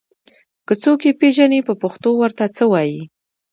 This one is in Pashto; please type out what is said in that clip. که څوک يې پېژني په پښتو ور ته څه وايي